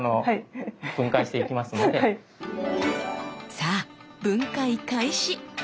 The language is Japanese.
さあ分解開始！